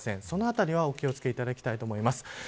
そのあたりはお気を付けていただきたいと思います。